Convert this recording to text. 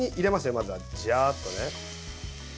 まずは、ジャーッとね。